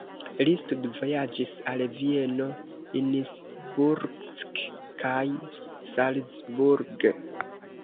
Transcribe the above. Li studvojaĝis al Vieno, Innsbruck kaj Salzburg.